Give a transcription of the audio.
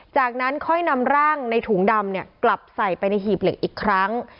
จากนั้นค่อยนำร่างในถุงดำกลับใส่ไปในหีบเหล็กอีกครั้ง